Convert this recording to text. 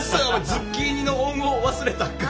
ズッキーニの恩を忘れたか。